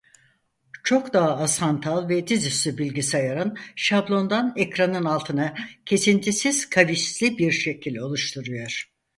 Çok daha az hantal ve dizüstü bilgisayarın şablondan ekranın altına kesintisiz kavisli bir şekil oluşturuyor.